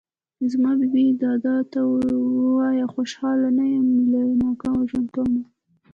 زما بې بې دادا ته وايه خوشحاله نه يم له ناکامه ژوند کومه